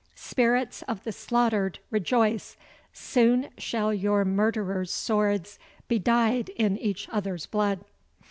Spirits of the slaughtered, rejoice! soon shall your murderers' swords be dyed in each other's blood."